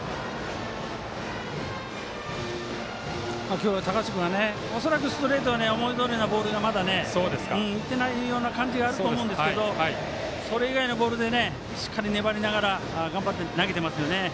今日は高橋君恐らくストレートは思いどおりのボールがまだいってないような感じだと思うんですがそれ以外のボールでしっかり粘りながら頑張って投げてますのでね。